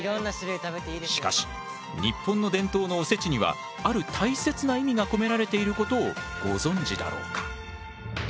しかし日本の伝統のおせちにはある大切な意味が込められていることをご存じだろうか。